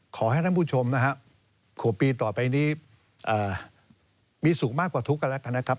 ขอให้ท่านผู้ชมนะครับเผื่อปีต่อไปนี้มีสุขมากกว่าทุกข์กันแล้วกันนะครับ